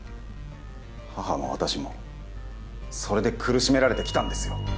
母も私もそれで苦しめられてきたんですよ